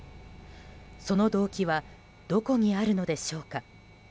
その動機はどこにあるのでしょうか。